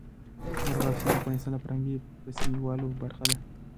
مورغاب سیند د افغانستان د فرهنګي فستیوالونو برخه ده.